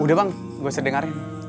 udah bang gue sering dengarnya